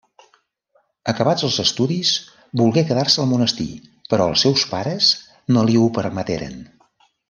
Acabats els estudis, volgué quedar-se al monestir, però els seus pares no li ho permeteren.